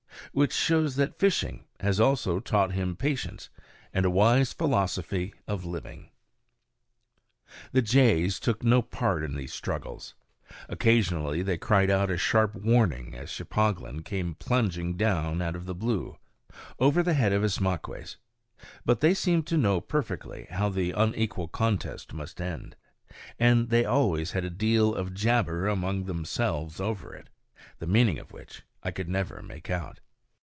Which shows that fishing has also taught him patience, and a wise philosophy of living. The jays took no part in these struggles. Occasionally they cried out a sharp warning as Cheplahgan came plunging down out of the blue, over the head of Ismaques; but they seemed to know perfectly how the unequal contest must end, and they always had a deal of jabber among themselves over it, the meaning of which I could never make out.